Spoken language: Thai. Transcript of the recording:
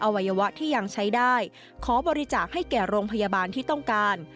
วัยวะที่ยังใช้ได้ขอบริจาคให้แก่โรงพยาบาลที่ต้องการ